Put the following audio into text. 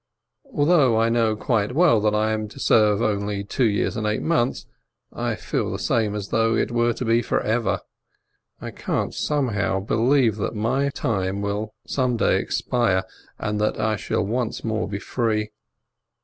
Though I know quite well that I am to serve only two years and eight months, I feel the same as though it were to be forever; I can't, somehow, believe that 282 BERDYCZEWSKI my time will some day expire, and I shall once more be free.